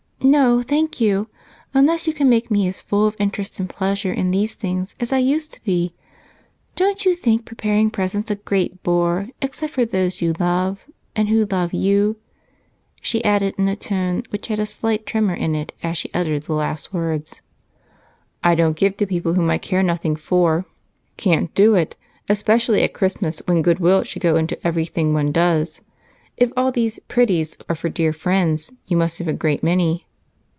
"No, thank you, unless you can make me as full of interest and pleasure in these things as I used to be. Don't you think preparing presents a great bore, except for those you love and who love you?" she added in a tone which had a slight tremor in it as she uttered the last words. "I don't give to people whom I care nothing for. Can't do it, especially at Christmas, when goodwill should go into everything one does. If all these 'pretties' are for dear friends, you must have a great many."